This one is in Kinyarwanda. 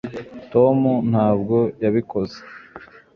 tom ntabwo yabikoze